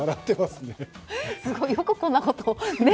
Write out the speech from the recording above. すごい、よくこんなことを。